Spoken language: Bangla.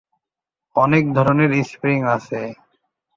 অনেক ধরনের স্প্রিং আছে।